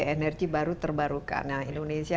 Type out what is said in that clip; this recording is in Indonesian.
energi baru terbarukan nah indonesia